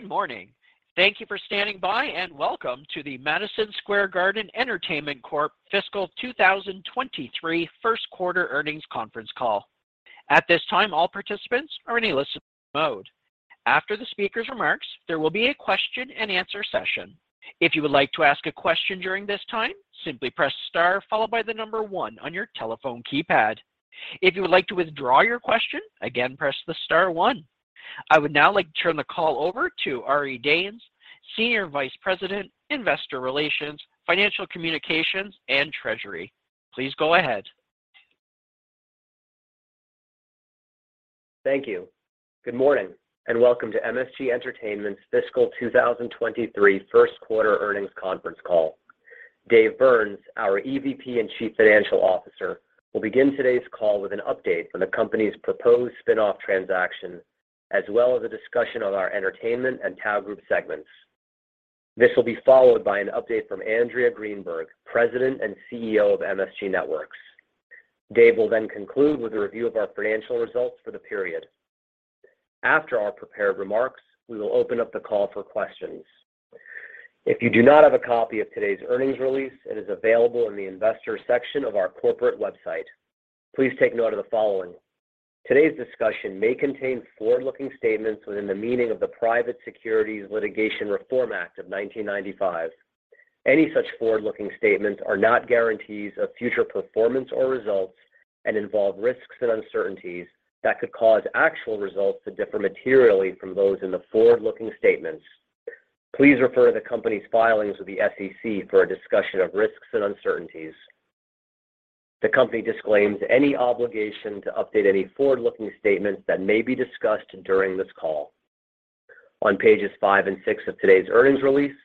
Good morning. Thank you for standing by, and welcome to the Madison Square Garden Entertainment Corp. Fiscal 2023 first quarter earnings conference call. At this time, all participants are in a listen-only mode. After the speaker's remarks, there will be a question-and-answer session. If you would like to ask a question during this time, simply press star followed by the number one on your telephone keypad. If you would like to withdraw your question, again, press the star one. I would now like to turn the call over to Ari Danes, Senior Vice President, Investor Relations, Financial Communications, and Treasury. Please go ahead. Thank you. Good morning, and welcome to MSG Entertainment's fiscal 2023 first quarter earnings conference call. Dave Byrnes, our EVP and Chief Financial Officer, will begin today's call with an update on the company's proposed spin-off transaction, as well as a discussion on our entertainment and TAO Group segments. This will be followed by an update from Andrea Greenberg, President and CEO of MSG Networks. Dave will then conclude with a review of our financial results for the period. After our prepared remarks, we will open up the call for questions. If you do not have a copy of today's earnings release, it is available in the investor section of our corporate website. Please take note of the following. Today's discussion may contain forward-looking statements within the meaning of the Private Securities Litigation Reform Act of 1995. Any such forward-looking statements are not guarantees of future performance or results and involve risks and uncertainties that could cause actual results to differ materially from those in the forward-looking statements. Please refer to the company's filings with the SEC for a discussion of risks and uncertainties. The company disclaims any obligation to update any forward-looking statements that may be discussed during this call. On pages 5 and 6 of today's earnings release,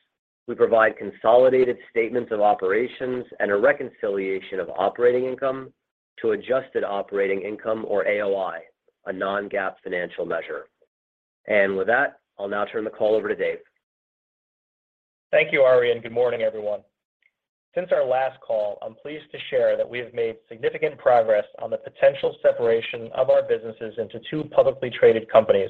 we provide consolidated statements of operations and a reconciliation of operating income to adjusted operating income or AOI, a non-GAAP financial measure. With that, I'll now turn the call over to Dave. Thank you, Ari, and good morning, everyone. Since our last call, I'm pleased to share that we have made significant progress on the potential separation of our businesses into two publicly traded companies.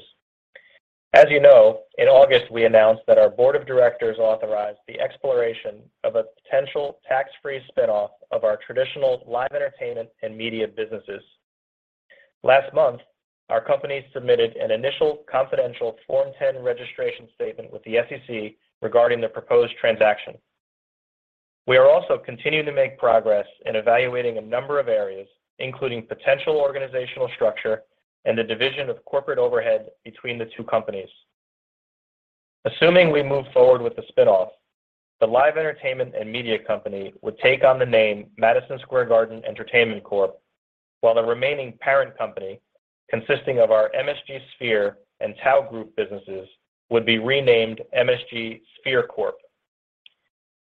As you know, in August, we announced that our Board of Directors authorized the exploration of a potential tax-free spin-off of our traditional live entertainment and media businesses. Last month, our company submitted an initial confidential Form 10 Registration Statement with the SEC regarding the proposed transaction. We are also continuing to make progress in evaluating a number of areas, including potential organizational structure and the division of corporate overhead between the two companies. Assuming we move forward with the spin-off, the live entertainment and media company would take on the name Madison Square Garden Entertainment Corp., while the remaining parent company, consisting of our MSG Sphere and TAO Group businesses, would be renamed MSG Sphere Corp.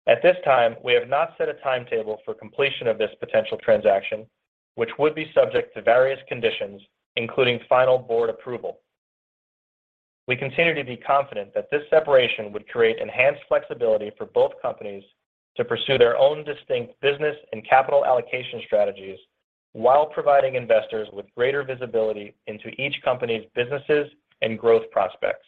At this time, we have not set a timetable for completion of this potential transaction, which would be subject to various conditions, including final board approval. We continue to be confident that this separation would create enhanced flexibility for both companies to pursue their own distinct business and capital allocation strategies while providing investors with greater visibility into each company's businesses and growth prospects.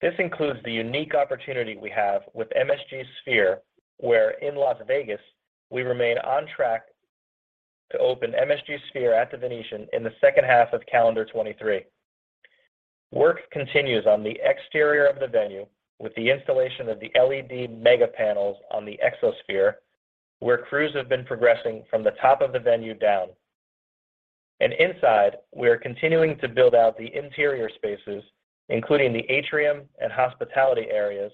This includes the unique opportunity we have with MSG Sphere, where in Las Vegas, we remain on track to open MSG Sphere at The Venetian in the second half of 2023. Work continues on the exterior of the venue with the installation of the LED mega panels on the Exosphere, where crews have been progressing from the top of the venue down. Inside, we are continuing to build out the interior spaces, including the atrium and hospitality areas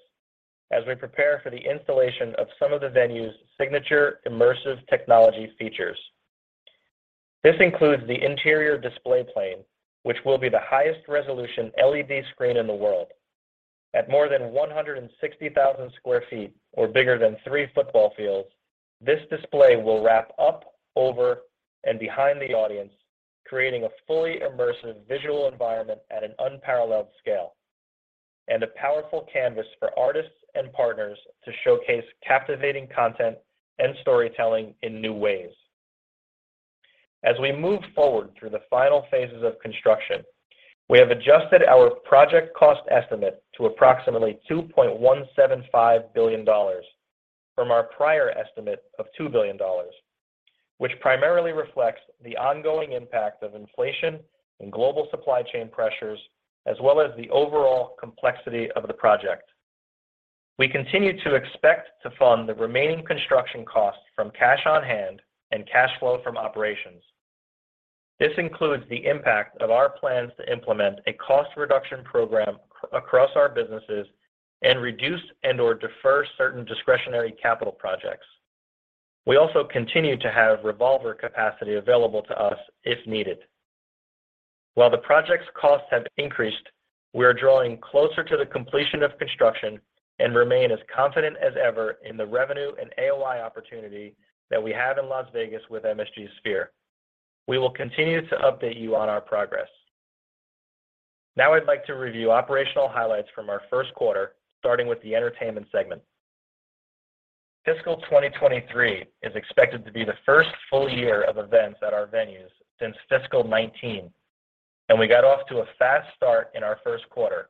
as we prepare for the installation of some of the venue's signature immersive technology features. This includes the interior display plane, which will be the highest resolution LED screen in the world. At more than 160,000 sq ft or bigger than three football fields, this display will wrap up, over, and behind the audience, creating a fully immersive visual environment at an unparalleled scale and a powerful canvas for artists and partners to showcase captivating content and storytelling in new ways. As we move forward through the final phases of construction, we have adjusted our project cost estimate to approximately $2.175 billion from our prior estimate of $2 billion, which primarily reflects the ongoing impact of inflation and global supply chain pressures as well as the overall complexity of the project. We continue to expect to fund the remaining construction costs from cash on hand and cash flow from operations. This includes the impact of our plans to implement a cost reduction program across our businesses and reduce and/or defer certain discretionary capital projects. We also continue to have revolver capacity available to us if needed. While the project's costs have increased, we are drawing closer to the completion of construction and remain as confident as ever in the revenue and AOI opportunity that we have in Las Vegas with MSG Sphere. We will continue to update you on our progress. Now I'd like to review operational highlights from our first quarter, starting with the entertainment segment. Fiscal 2023 is expected to be the first full year of events at our venues since fiscal 2019, and we got off to a fast start in our first quarter,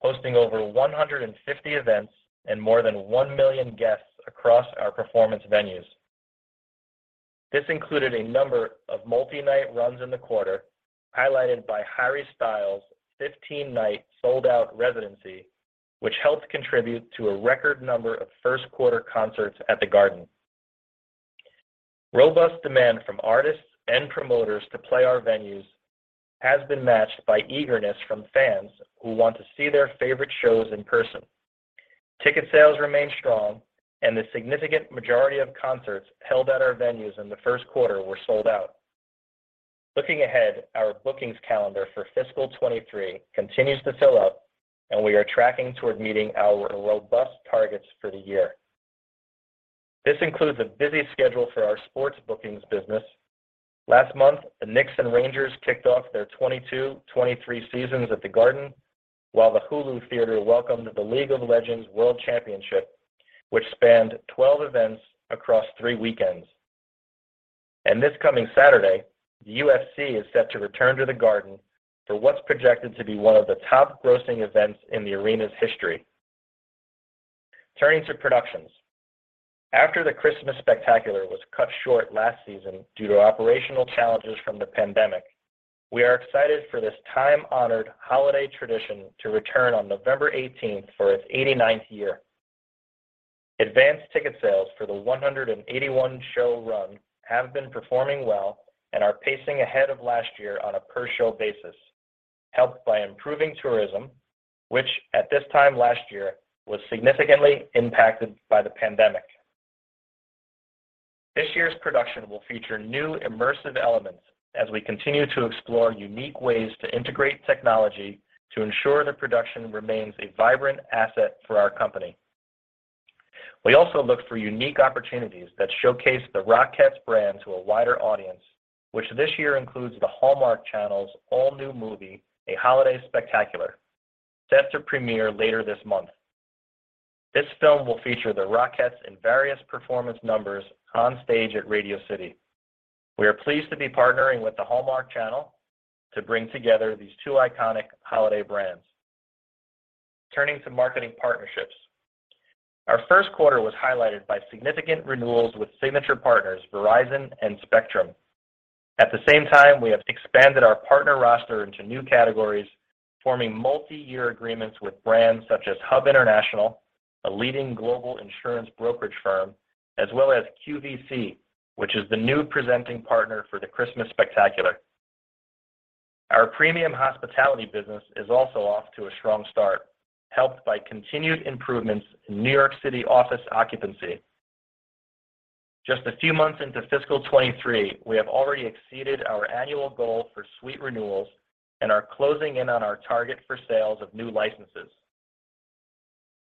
hosting over 150 events and more than 1 million guests across our performance venues. This included a number of multi-night runs in the quarter, highlighted by Harry Styles' 15-night sold-out residency, which helped contribute to a record number of first-quarter concerts at the Garden. Robust demand from artists and promoters to play our venues has been matched by eagerness from fans who want to see their favorite shows in person. Ticket sales remain strong, and the significant majority of concerts held at our venues in the first quarter were sold out. Looking ahead, our bookings calendar for fiscal 2023 continues to fill up, and we are tracking toward meeting our robust targets for the year. This includes a busy schedule for our sports bookings business. Last month, the Knicks and Rangers kicked off their 2022-2023 seasons at the Garden, while the Hulu Theater welcomed the League of Legends World Championship, which spanned 12 events across three weekends. This coming Saturday, the UFC is set to return to the Garden for what's projected to be one of the top grossing events in the arena's history. Turning to productions. After the Christmas Spectacular was cut short last season due to operational challenges from the pandemic, we are excited for this time-honored holiday tradition to return on November 18th for its 89th year. Advanced ticket sales for the 181 show run have been performing well and are pacing ahead of last year on a per-show basis, helped by improving tourism, which at this time last year was significantly impacted by the pandemic. This year's production will feature new immersive elements as we continue to explore unique ways to integrate technology to ensure the production remains a vibrant asset for our company. We also look for unique opportunities that showcase the Rockettes brand to a wider audience, which this year includes the Hallmark Channel's all-new movie, A Holiday Spectacular, set to premiere later this month. This film will feature the Rockettes in various performance numbers on stage at Radio City. We are pleased to be partnering with the Hallmark Channel to bring together these two iconic holiday brands. Turning to marketing partnerships. Our first quarter was highlighted by significant renewals with signature partners Verizon and Spectrum. At the same time, we have expanded our partner roster into new categories, forming multi-year agreements with brands such as Hub International, a leading global insurance brokerage firm, as well as QVC, which is the new presenting partner for the Christmas Spectacular. Our premium hospitality business is also off to a strong start, helped by continued improvements in New York City office occupancy. Just a few months into fiscal 2023, we have already exceeded our annual goal for suite renewals and are closing in on our target for sales of new licenses.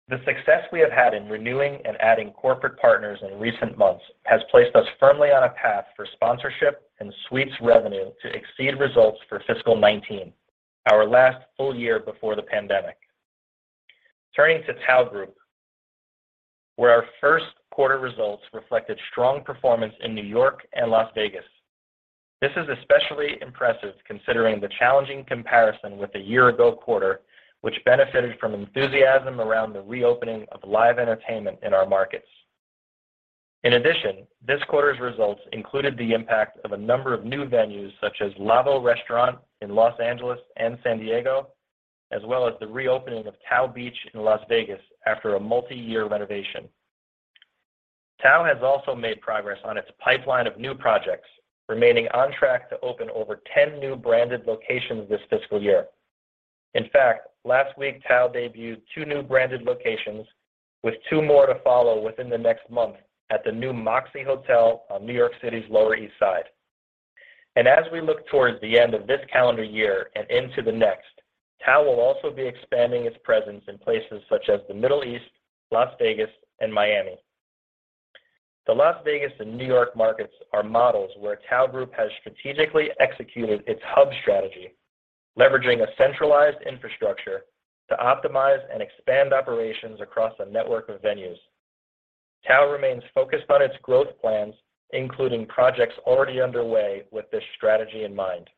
The success we have had in renewing and adding corporate partners in recent months has placed us firmly on a path for sponsorship and suites revenue to exceed results for fiscal 2019, our last full year before the pandemic. Turning to TAO Group, where our first quarter results reflected strong performance in New York and Las Vegas. This is especially impressive considering the challenging comparison with the year-ago quarter, which benefited from enthusiasm around the reopening of live entertainment in our markets. In addition, this quarter's results included the impact of a number of new venues such as LAVO Italian Restaurant in Los Angeles and San Diego, as well as the reopening of TAO Beach Dayclub in Las Vegas after a multi-year renovation. TAO has also made progress on its pipeline of new projects, remaining on track to open over 10 new branded locations this fiscal year. In fact, last week, TAO debuted two new branded locations with two more to follow within the next month at the new Moxy Hotel on New York City's Lower East Side. As we look towards the end of this calendar year and into the next, TAO will also be expanding its presence in places such as the Middle East, Las Vegas, and Miami. The Las Vegas and New York markets are models where TAO Group has strategically executed its hub strategy, leveraging a centralized infrastructure to optimize and expand operations across a network of venues. TAO remains focused on its growth plans, including projects already underway with this strategy in mind.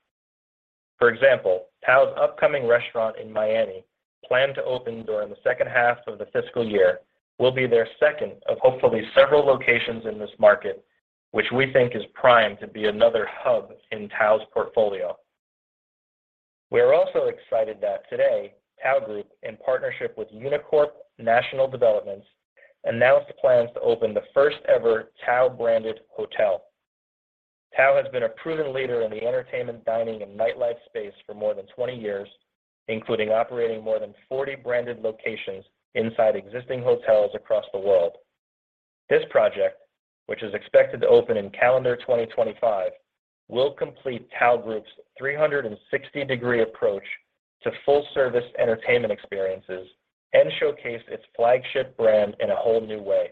For example, TAO's upcoming restaurant in Miami, planned to open during the second half of the fiscal year, will be their second of hopefully several locations in this market, which we think is primed to be another hub in TAO's portfolio. We're also excited that today, TAO Group, in partnership with Unicorp National Developments, announced plans to open the first ever TAO-branded hotel. TAO has been a proven leader in the entertainment, dining, and nightlife space for more than 20 years, including operating more than 40 branded locations inside existing hotels across the world. This project, which is expected to open in calendar 2025, will complete TAO Group's 360-degree approach to full-service entertainment experiences and showcase its flagship brand in a whole new way.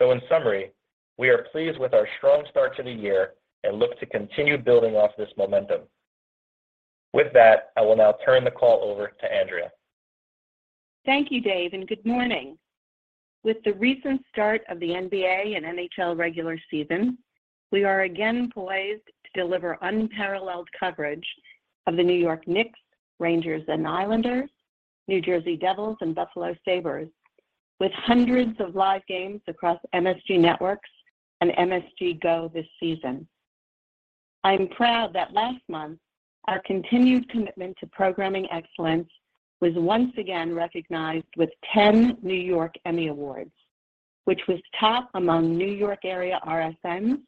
In summary, we are pleased with our strong start to the year and look to continue building off this momentum. With that, I will now turn the call over to Andrea. Thank you, Dave, and good morning. With the recent start of the NBA and NHL regular season, we are again poised to deliver unparalleled coverage of the New York Knicks, Rangers and Islanders, New Jersey Devils, and Buffalo Sabres with hundreds of live games across MSG Networks and MSG GO this season. I'm proud that last month, our continued commitment to programming excellence was once again recognized with 10 New York Emmy Awards, which was top among New York area RSNs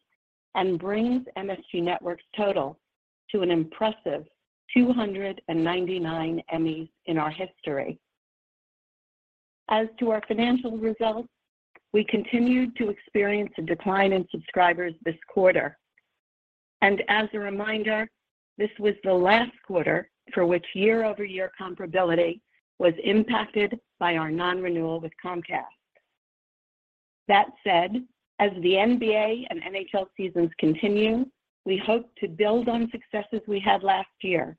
and brings MSG Networks' total to an impressive 299 Emmys in our history. As to our financial results, we continued to experience a decline in subscribers this quarter. As a reminder, this was the last quarter for which year-over-year comparability was impacted by our non-renewal with Comcast. That said, as the NBA and NHL seasons continue, we hope to build on successes we had last year,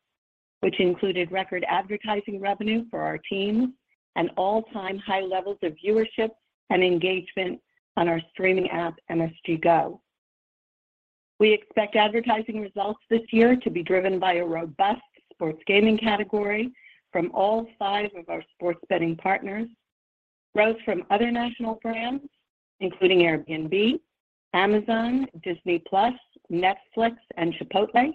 which included record advertising revenue for our teams and all-time high levels of viewership and engagement on our streaming app, MSG GO. We expect advertising results this year to be driven by a robust sports gaming category from all five of our sports betting partners, growth from other national brands, including Airbnb, Amazon, Disney+, Netflix, and Chipotle,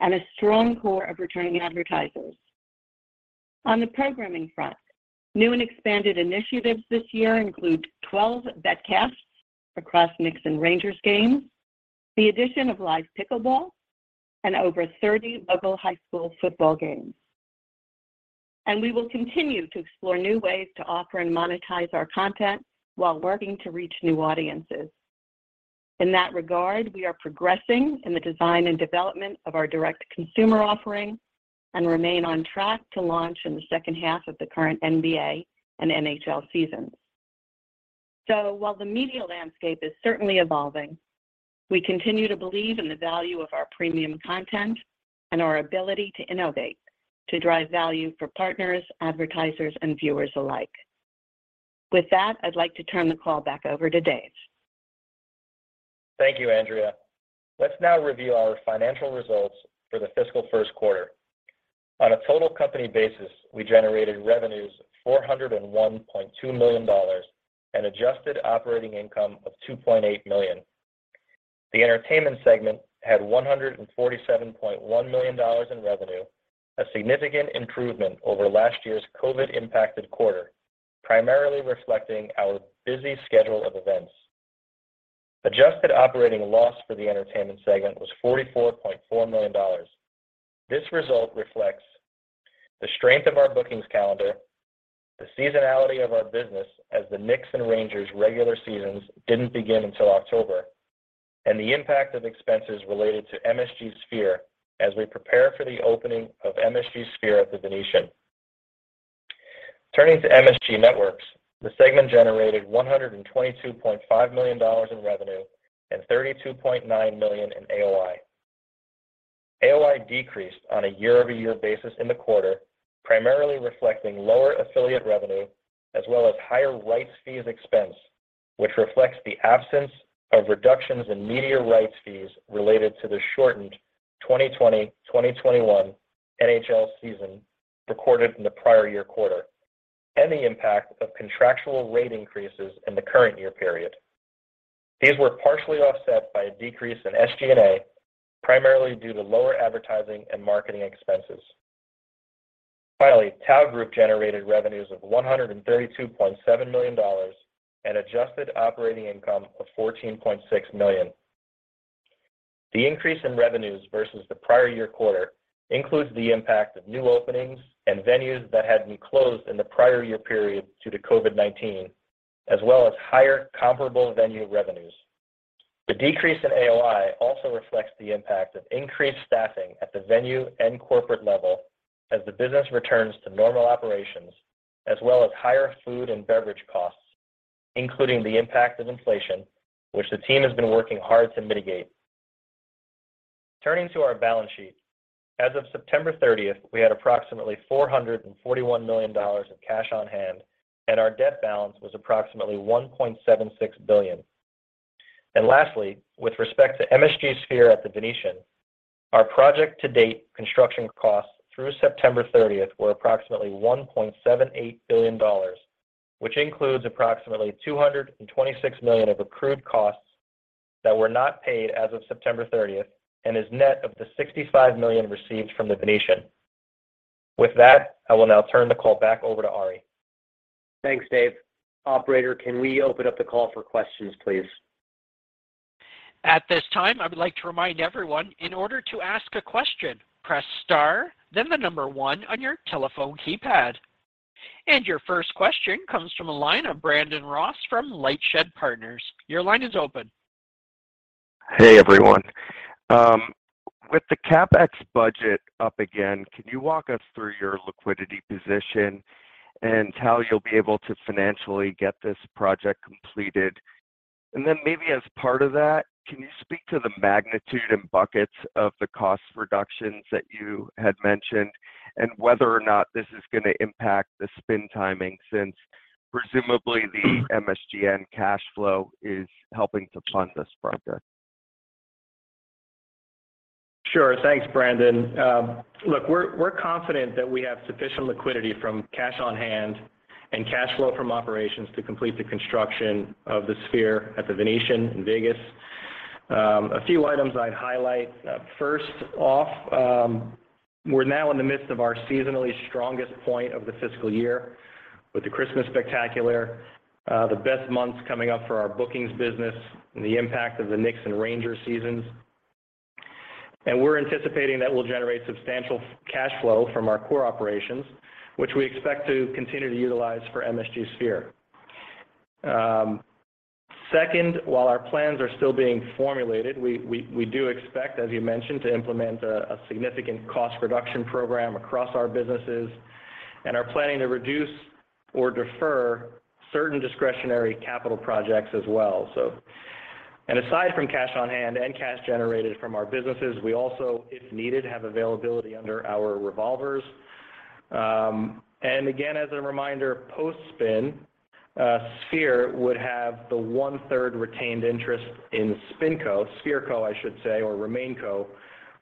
and a strong core of returning advertisers. On the programming front, new and expanded initiatives this year include 12 BetCasts across Knicks and Rangers games, the addition of live pickleball, and over 30 local high school football games. We will continue to explore new ways to offer and monetize our content while working to reach new audiences. In that regard, we are progressing in the design and development of our direct consumer offering and remain on track to launch in the second half of the current NBA and NHL seasons. While the media landscape is certainly evolving, we continue to believe in the value of our premium content and our ability to innovate to drive value for partners, advertisers, and viewers alike. With that, I'd like to turn the call back over to Dave. Thank you, Andrea. Let's now review our financial results for the fiscal first quarter. On a total company basis, we generated revenues of $401.2 million and adjusted operating income of $2.8 million. The entertainment segment had $147.1 million in revenue, a significant improvement over last year's COVID-impacted quarter, primarily reflecting our busy schedule of events. Adjusted operating loss for the entertainment segment was $44.4 million. This result reflects the strength of our bookings calendar, the seasonality of our business as the Knicks and Rangers regular seasons didn't begin until October, and the impact of expenses related to MSG Sphere as we prepare for the opening of MSG Sphere at The Venetian. Turning to MSG Networks, the segment generated $122.5 million in revenue and $32.9 million in AOI. AOI decreased on a year-over-year basis in the quarter, primarily reflecting lower affiliate revenue as well as higher rights fees expense, which reflects the absence of reductions in media rights fees related to the shortened 2020-2021 NHL season recorded in the prior year quarter and the impact of contractual rate increases in the current year period. These were partially offset by a decrease in SG&A, primarily due to lower advertising and marketing expenses. Finally, TAO Group generated revenues of $132.7 million and adjusted operating income of $14.6 million. The increase in revenues versus the prior year quarter includes the impact of new openings and venues that had been closed in the prior year period due to COVID-19, as well as higher comparable venue revenues. The decrease in AOI also reflects the impact of increased staffing at the venue and corporate level as the business returns to normal operations, as well as higher food and beverage costs, including the impact of inflation, which the team has been working hard to mitigate. Turning to our balance sheet, as of September 30th, we had approximately $441 million in cash on hand, and our debt balance was approximately $1.76 billion. Lastly, with respect to MSG Sphere at The Venetian, our project to date construction costs through September 30th were approximately $1.78 billion, which includes approximately $226 million of accrued costs that were not paid as of September 30th and is net of the $65 million received from The Venetian. With that, I will now turn the call back over to Ari. Thanks, Dave. Operator, can we open up the call for questions, please? At this time, I would like to remind everyone, in order to ask a question, press star, then the number one on your telephone keypad. Your first question comes from a line of Brandon Ross from LightShed Partners. Your line is open. Hey, everyone. With the CapEx budget up again, can you walk us through your liquidity position and how you'll be able to financially get this project completed? Then maybe as part of that, can you speak to the magnitude and buckets of the cost reductions that you had mentioned, and whether or not this is gonna impact the spin timing, since presumably the MSGN cash flow is helping to fund this project? Sure. Thanks, Brandon. Look, we're confident that we have sufficient liquidity from cash on hand and cash flow from operations to complete the construction of the Sphere at The Venetian in Vegas. A few items I'd highlight. First off, we're now in the midst of our seasonally strongest point of the fiscal year with the Christmas Spectacular, the best months coming up for our bookings business and the impact of the Knicks and Rangers seasons. We're anticipating that will generate substantial cash flow from our core operations, which we expect to continue to utilize for MSG Sphere. Second, while our plans are still being formulated, we do expect, as you mentioned, to implement a significant cost reduction program across our businesses and are planning to reduce or defer certain discretionary capital projects as well, so. Aside from cash on hand and cash generated from our businesses, we also, if needed, have availability under our revolvers. Again, as a reminder, post-spin, Sphere would have the 1/3 retained interest in SpinCo, SphereCo, I should say, or RemainCo,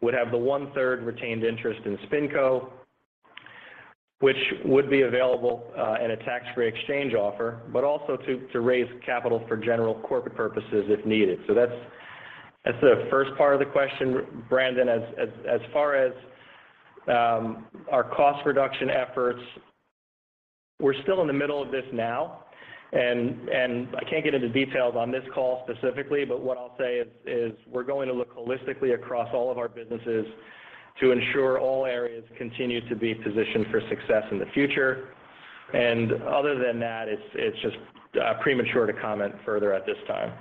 would have the 1/3 retained interest in SpinCo, which would be available in a tax-free exchange offer, but also to raise capital for general corporate purposes if needed. That's the first part of the question, Brandon. As far as our cost reduction efforts, we're still in the middle of this now and I can't get into details on this call specifically, but what I'll say is we're going to look holistically across all of our businesses to ensure all areas continue to be positioned for success in the future. Other than that, it's just premature to comment further at this time.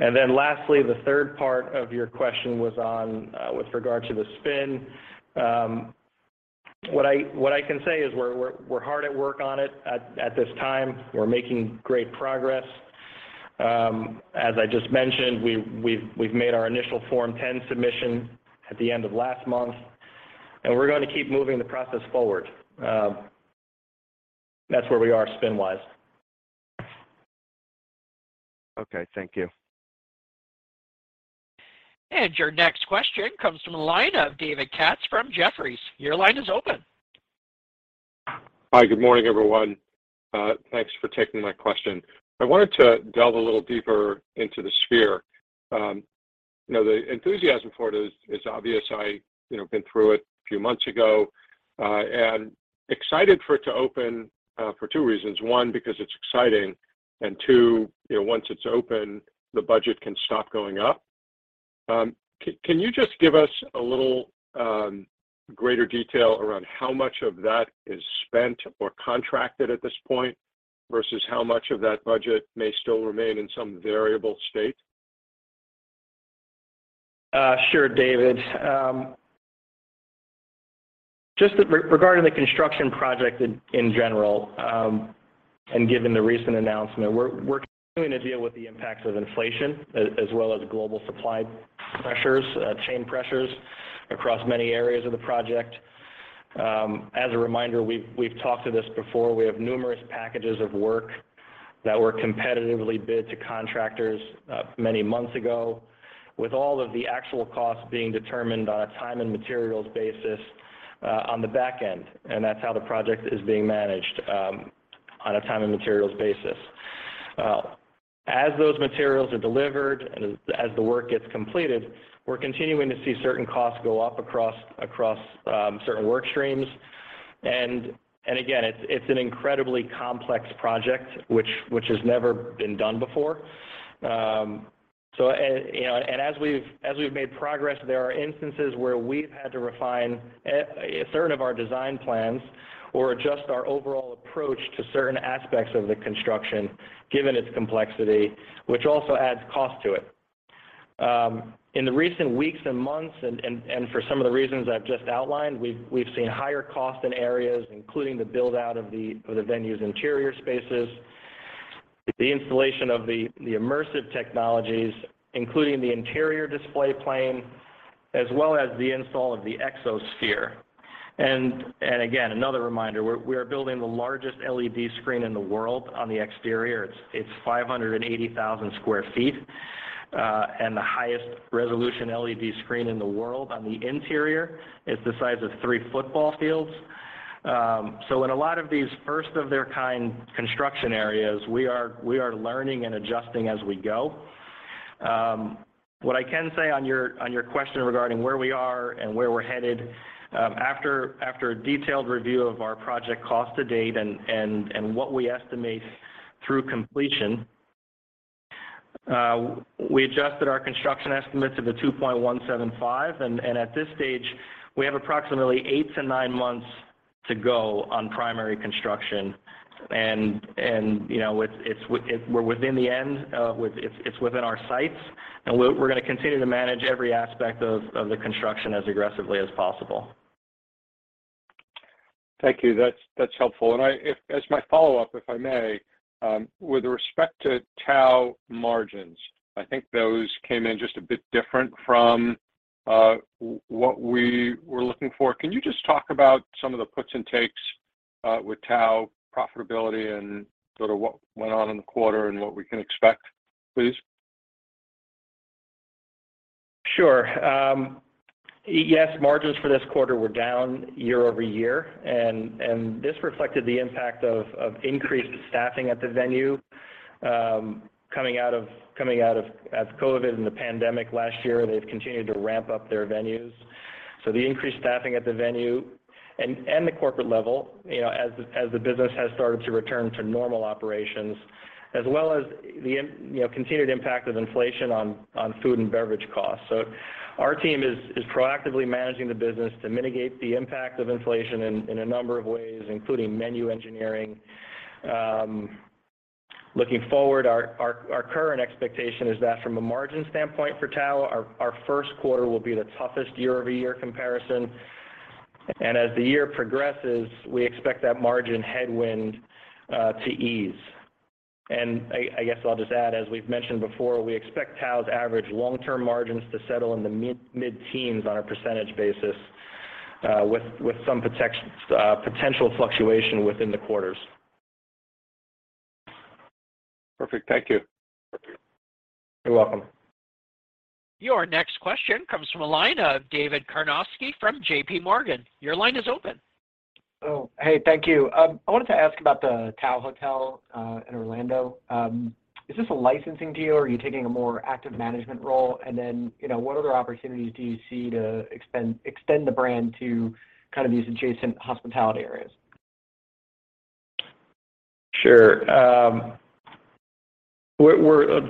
Lastly, the third part of your question was on, with regard to the spin. What I can say is we're hard at work on it at this time. We're making great progress. As I just mentioned, we've made our initial Form 10 submission at the end of last month, and we're gonna keep moving the process forward. That's where we are spin-wise. Okay. Thank you. Your next question comes from the line of David Katz from Jefferies. Your line is open. Hi. Good morning, everyone. Thanks for taking my question. I wanted to delve a little deeper into the Sphere. You know, the enthusiasm for it is obvious. I, you know, been through it a few months ago, and excited for it to open, for two reasons. One, because it's exciting, and two, you know, once it's open, the budget can stop going up. Can you just give us a little greater detail around how much of that is spent or contracted at this point versus how much of that budget may still remain in some variable state? Sure, David. Just regarding the construction project in general, and given the recent announcement, we're continuing to deal with the impacts of inflation as well as global supply chain pressures across many areas of the project. As a reminder, we've talked about this before. We have numerous packages of work that were competitively bid to contractors many months ago with all of the actual costs being determined on a time and materials basis on the back end, and that's how the project is being managed on a time and materials basis. As those materials are delivered and as the work gets completed, we're continuing to see certain costs go up across certain work streams. Again, it's an incredibly complex project which has never been done before. As we've made progress, there are instances where we've had to refine certain of our design plans or adjust our overall approach to certain aspects of the construction given its complexity, which also adds cost to it. In the recent weeks and months, for some of the reasons I've just outlined, we've seen higher costs in areas including the build-out of the venue's interior spaces, the installation of the immersive technologies, including the interior display plane, as well as the install of the Exosphere. Another reminder, we are building the largest LED screen in the world on the exterior. It's 580,000 sq ft, and the highest resolution LED screen in the world on the interior. It's the size of three football fields. In a lot of these first of their kind construction areas, we are learning and adjusting as we go. What I can say on your question regarding where we are and where we're headed, after a detailed review of our project cost to date and what we estimate through completion, we adjusted our construction estimates of the $2.175. At this stage, we have approximately 8-9 months to go on primary construction. You know, it's within our sights, and we're gonna continue to manage every aspect of the construction as aggressively as possible. Thank you. That's helpful. As my follow-up, if I may, with respect to TAO margins, I think those came in just a bit different from what we were looking for. Can you just talk about some of the puts and takes with TAO profitability and sort of what went on in the quarter and what we can expect, please? Sure. Yes, margins for this quarter were down year-over-year. This reflected the impact of increased staffing at the venue coming out of COVID and the pandemic last year. They've continued to ramp up their venues. The increased staffing at the venue and the corporate level, you know, as the business has started to return to normal operations, as well as the continued impact of inflation on food and beverage costs. Our team is proactively managing the business to mitigate the impact of inflation in a number of ways, including menu engineering. Looking forward, our current expectation is that from a margin standpoint for TAO, our first quarter will be the toughest year-over-year comparison. As the year progresses, we expect that margin headwind to ease. I guess I'll just add, as we've mentioned before, we expect TAO's average long-term margins to settle in the mid-teens on a percentage basis, with some potential fluctuation within the quarters. Perfect. Thank you. You're welcome. Your next question comes from a line of David Karnovsky from JPMorgan. Your line is open. Oh, hey, thank you. I wanted to ask about the TAO Hotel in Orlando. Is this a licensing deal, or are you taking a more active management role? You know, what other opportunities do you see to extend the brand to kind of these adjacent hospitality areas? Sure.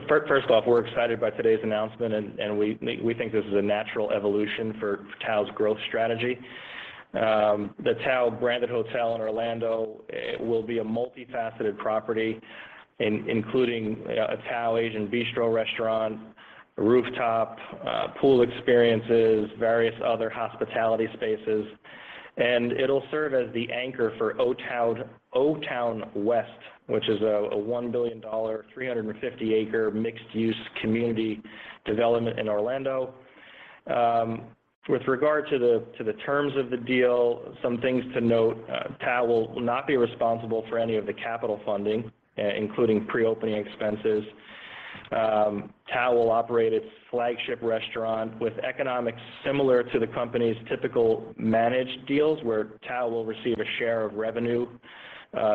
First off, we're excited by today's announcement, and we think this is a natural evolution for TAO's growth strategy. The TAO branded hotel in Orlando, it will be a multifaceted property including, you know, a TAO Asian Bistro restaurant, a rooftop pool experiences, various other hospitality spaces. It'll serve as the anchor for O-Town West, which is a $1 billion, 350-acre mixed-use community development in Orlando. With regard to the terms of the deal, some things to note, TAO will not be responsible for any of the capital funding, including pre-opening expenses. TAO will operate its flagship restaurant with economics similar to the company's typical managed deals, where TAO will receive a share of revenue,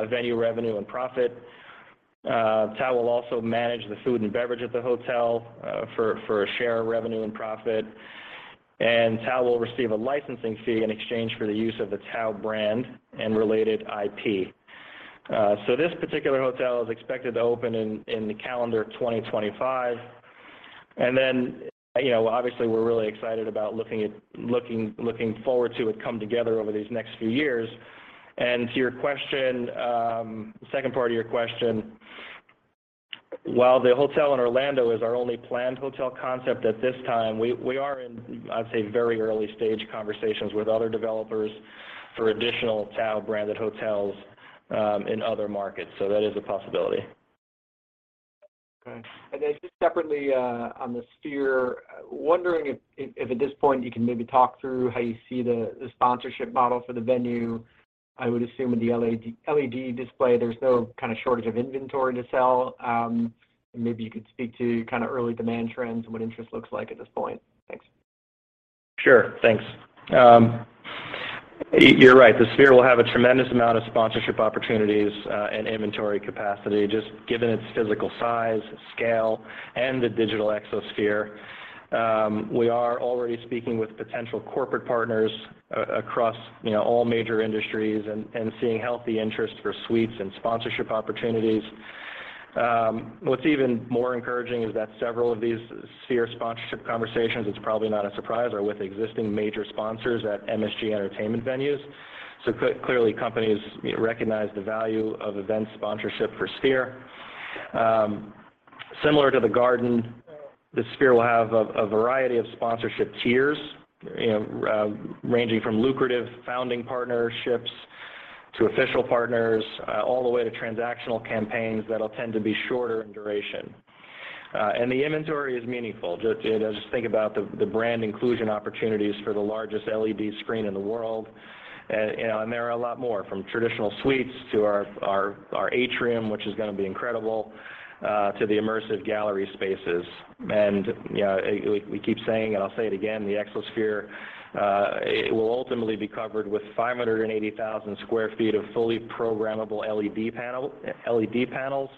venue revenue and profit. TAO will also manage the food and beverage at the hotel, for a share of revenue and profit. TAO will receive a licensing fee in exchange for the use of the TAO brand and related IP. This particular hotel is expected to open in the calendar of 2025. You know, obviously, we're really excited about looking forward to it come together over these next few years. To your question, second part of your question, while the hotel in Orlando is our only planned hotel concept at this time, we are in, I'd say, very early stage conversations with other developers for additional TAO branded hotels, in other markets. That is a possibility. Just separately, on the Sphere, wondering if at this point you can maybe talk through how you see the sponsorship model for the venue. I would assume with the LED display, there's no kind of shortage of inventory to sell. Maybe you could speak to kind of early demand trends and what interest looks like at this point. Thanks. Sure. Thanks. You're right. The Sphere will have a tremendous amount of sponsorship opportunities, and inventory capacity, just given its physical size, scale, and the digital Exosphere. We are already speaking with potential corporate partners across, you know, all major industries and seeing healthy interest for suites and sponsorship opportunities. What's even more encouraging is that several of these Sphere sponsorship conversations, it's probably not a surprise, are with existing major sponsors at MSG Entertainment venues. Clearly, companies, you know, recognize the value of event sponsorship for Sphere. Similar to The Garden, the Sphere will have a variety of sponsorship tiers, you know, ranging from lucrative founding partnerships to official partners, all the way to transactional campaigns that'll tend to be shorter in duration. The inventory is meaningful. You know, just think about the brand inclusion opportunities for the largest LED screen in the world. You know, there are a lot more, from traditional suites to our atrium, which is gonna be incredible, to the immersive gallery spaces. You know, we keep saying, and I'll say it again, the Exosphere, it will ultimately be covered with 580,000 sq ft of fully programmable LED panels,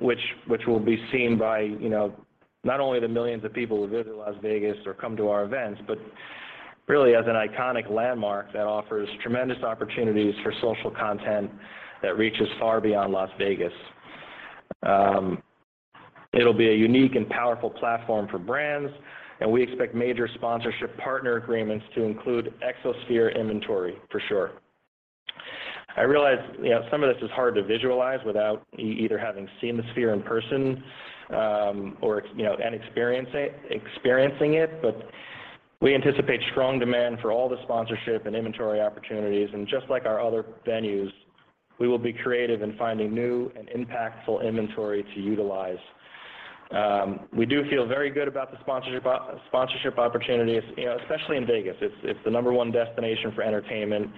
which will be seen by, you know, not only the millions of people who visit Las Vegas or come to our events, but really as an iconic landmark that offers tremendous opportunities for social content that reaches far beyond Las Vegas. It'll be a unique and powerful platform for brands, and we expect major sponsorship partner agreements to include Exosphere inventory for sure. I realize, you know, some of this is hard to visualize without either having seen the Sphere in person, or, you know, experiencing it. We anticipate strong demand for all the sponsorship and inventory opportunities. Just like our other venues, we will be creative in finding new and impactful inventory to utilize. We do feel very good about the sponsorship opportunities, you know, especially in Vegas. It's the number one destination for entertainment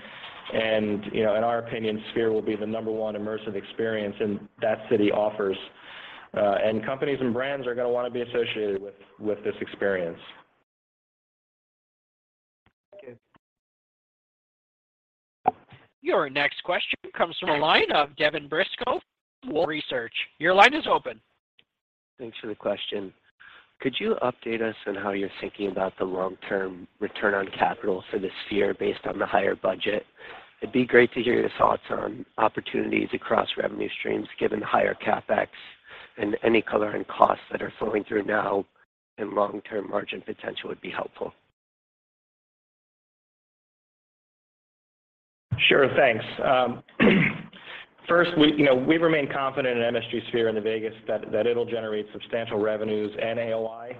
and, you know, in our opinion, Sphere will be the number one immersive experience in that city offers. Companies and brands are gonna wanna be associated with this experience. Thank you. Your next question comes from the line of Devin Brisco, Wolfe Research. Your line is open. Thanks for the question. Could you update us on how you're thinking about the long-term return on capital for the Sphere based on the higher budget? It'd be great to hear your thoughts on opportunities across revenue streams, given the higher CapEx and any color and costs that are flowing through now, and long-term margin potential would be helpful. Sure. Thanks. First, you know, we remain confident in the Sphere in Vegas that it'll generate substantial revenues and AOI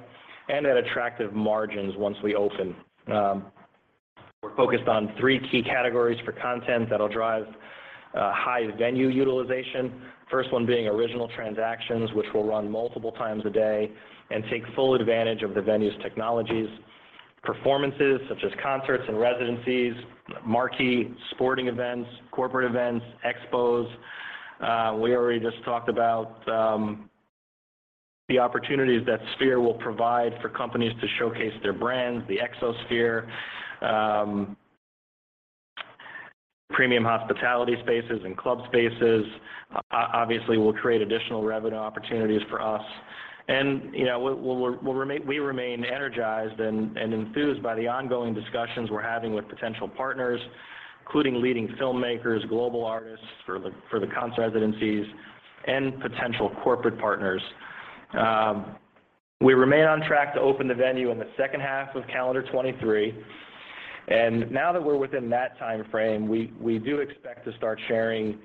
and at attractive margins once we open. We're focused on three key categories for content that'll drive high venue utilization. First one being original attractions, which will run multiple times a day and take full advantage of the venue's technologies, performances such as concerts and residencies, marquee sporting events, corporate events, expos. We already just talked about the opportunities that Sphere will provide for companies to showcase their brands, the Exosphere, premium hospitality spaces and club spaces obviously will create additional revenue opportunities for us. You know, we remain energized and enthused by the ongoing discussions we're having with potential partners, including leading filmmakers, global artists for the concert residencies and potential corporate partners. We remain on track to open the venue in the second half of calendar 2023. Now that we're within that timeframe, we do expect to start sharing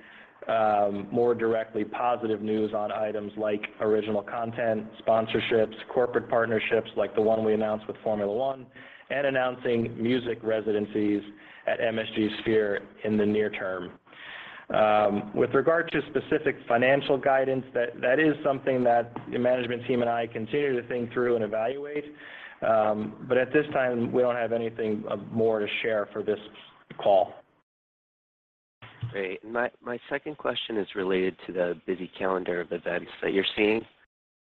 more directly positive news on items like original content, sponsorships, corporate partnerships, like the one we announced with Formula 1, and announcing music residencies at MSG Sphere in the near term. With regard to specific financial guidance, that is something that the management team and I continue to think through and evaluate. At this time, we don't have anything more to share for this call. Great. My second question is related to the busy calendar of events that you're seeing.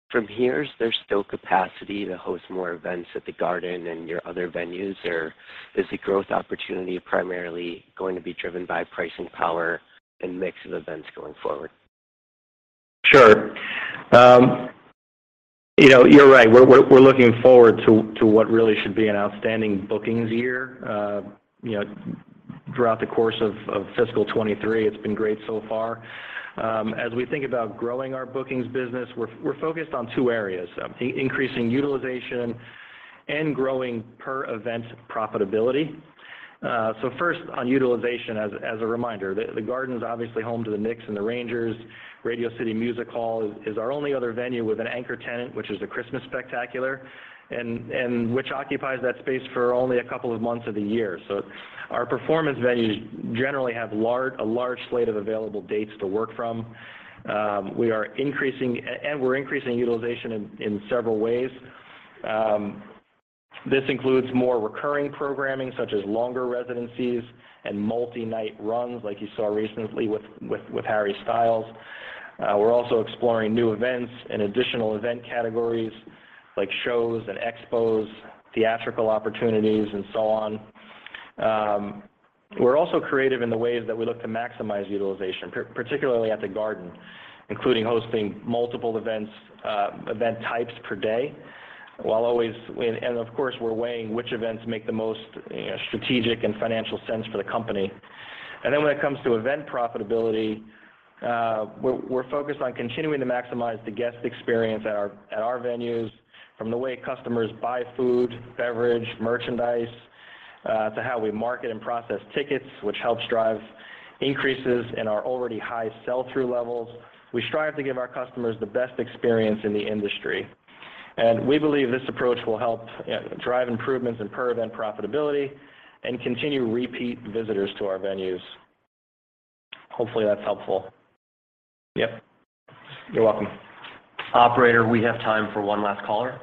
From here, is there still capacity to host more events at The Garden and your other venues, or is the growth opportunity primarily going to be driven by pricing power and mix of events going forward? Sure. You know, you're right. We're looking forward to what really should be an outstanding bookings year. You know, throughout the course of fiscal 2023, it's been great so far. As we think about growing our bookings business, we're focused on two areas, increasing utilization and growing per event profitability. So first on utilization, as a reminder, The Garden is obviously home to the Knicks and the Rangers. Radio City Music Hall is our only other venue with an anchor tenant, which is a Christmas Spectacular and which occupies that space for only a couple of months of the year. Our performance venues generally have a large slate of available dates to work from. We're increasing utilization in several ways. This includes more recurring programming, such as longer residencies and multi-night runs like you saw recently with Harry Styles. We're also exploring new events and additional event categories like shows and expos, theatrical opportunities and so on. We're also creative in the ways that we look to maximize utilization, particularly at The Garden, including hosting multiple events, event types per day, and of course, we're weighing which events make the most, you know, strategic and financial sense for the company. When it comes to event profitability, we're focused on continuing to maximize the guest experience at our venues from the way customers buy food, beverage, merchandise, to how we market and process tickets, which helps drive increases in our already high sell-through levels. We strive to give our customers the best experience in the industry, and we believe this approach will help, you know, drive improvements in per event profitability and continue repeat visitors to our venues. Hopefully, that's helpful. Yep. You're welcome. Operator, we have time for one last caller.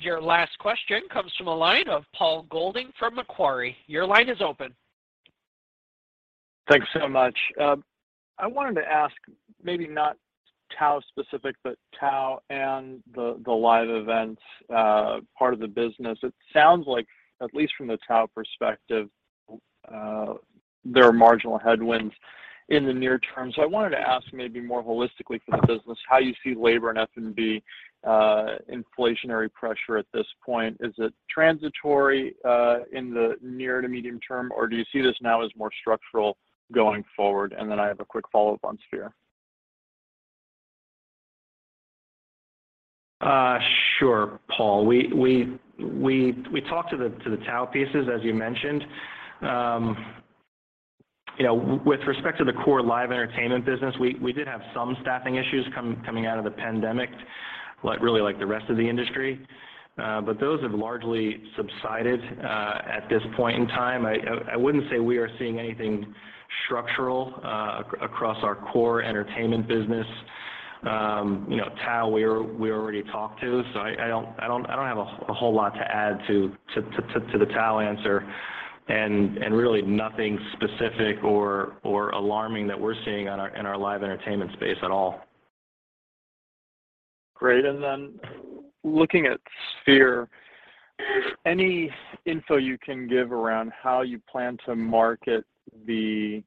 Your last question comes from a line of Paul Golding from Macquarie. Your line is open. Thanks so much. I wanted to ask maybe not TAO specific, but TAO and the live events part of the business. It sounds like, at least from the TAO perspective, there are marginal headwinds in the near term. I wanted to ask maybe more holistically for the business, how you see labor and F&B inflationary pressure at this point. Is it transitory in the near to medium term, or do you see this now as more structural going forward? I have a quick follow-up on Sphere. Sure, Paul. We talked to the TAO pieces, as you mentioned. You know, with respect to the core live entertainment business, we did have some staffing issues coming out of the pandemic, like really like the rest of the industry. Those have largely subsided at this point in time. I wouldn't say we are seeing anything structural across our core entertainment business. You know, TAO we already talked to, so I don't have a whole lot to add to the TAO answer and really nothing specific or alarming that we're seeing in our live entertainment space at all. Great. Looking at Sphere, any info you can give around how you plan to market the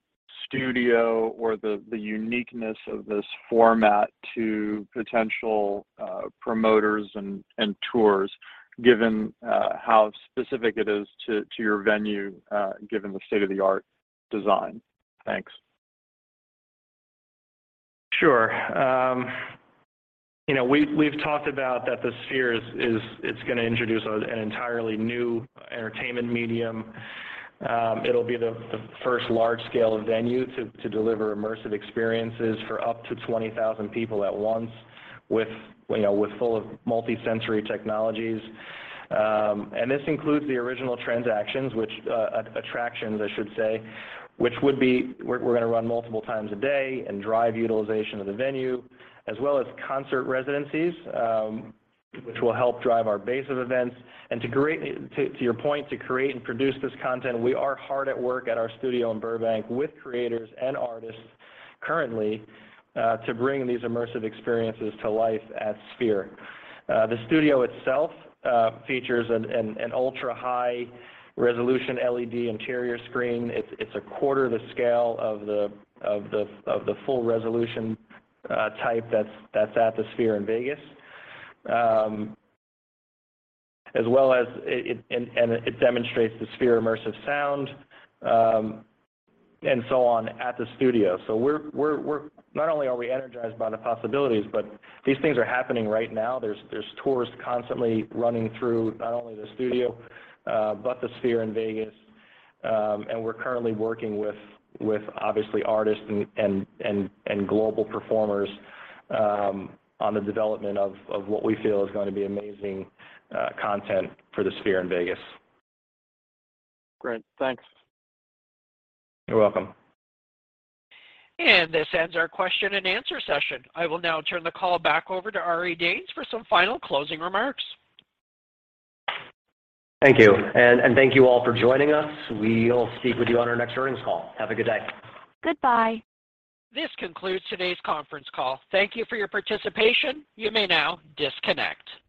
studio or the uniqueness of this format to potential promoters and tours, given how specific it is to your venue, given the state-of-the-art design? Thanks. Sure. You know, we've talked about that the Sphere is. It's gonna introduce an entirely new entertainment medium. It'll be the first large scale venue to deliver immersive experiences for up to 20,000 people at once with you know with full of multi-sensory technologies. This includes the original attractions, I should say, which we're gonna run multiple times a day and drive utilization of the venue, as well as concert residencies which will help drive our base of events. To your point, to create and produce this content, we are hard at work at our studio in Burbank with creators and artists currently to bring these immersive experiences to life at Sphere. The studio itself features an ultra-high resolution LED interior screen. It's a quarter the scale of the full resolution type that's at the Sphere in Vegas. As well as it demonstrates the Sphere Immersive Sound and so on at the studio. We're not only energized by the possibilities, but these things are happening right now. There's tours constantly running through not only the studio, but the Sphere in Vegas. We're currently working with obviously artists and global performers on the development of what we feel is gonna be amazing content for the Sphere in Vegas. Great. Thanks. You're welcome. This ends our question and answer session. I will now turn the call back over to Ari Danes for some final closing remarks. Thank you. Thank you all for joining us. We'll speak with you on our next earnings call. Have a good day. Goodbye. This concludes today's conference call. Thank you for your participation. You may now disconnect.